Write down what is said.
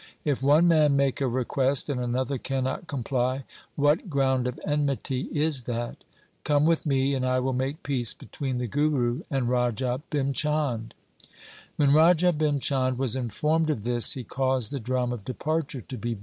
If one man make a request and another cannot comply, what ground of enmity is that ? Come with me, and I will make peace between the Guru and Raja Bhim Chand.' When Raja Bhim Chand was informed of this he caused the drum of departure to be beaten.